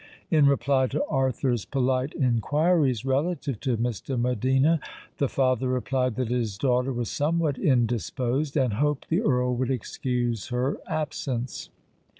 In reply to Arthur's polite inquiries relative to Miss de Medina, the father replied that his daughter was somewhat indisposed, and hoped the Earl would excuse her absence.